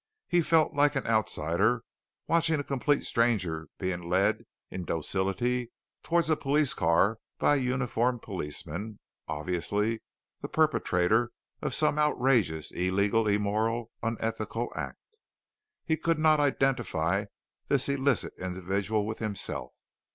He felt like an outsider, watching a complete stranger being led in docility towards a police car by a uniformed policeman, obviously the perpetrator of some outrageous, illegal, immoral, unethical act. He could not identify this illicit individual with himself.